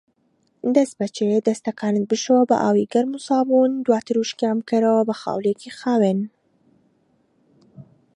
دەستبەجی دەستەکانت بشۆ بە ئاوی گەرم و سابوون، دواتر وشکیان بکەرەوە بە خاولیەکی خاوین.